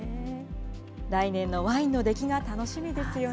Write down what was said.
来年のワインの出来が楽しみですよね。